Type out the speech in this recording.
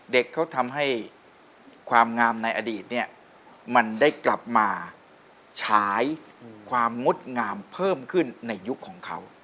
เด็กเขาทำให้ความงามในอดีตเนี่ยมันได้กลับมาฉายความงดงามเพิ่มขึ้นในยุคของเขา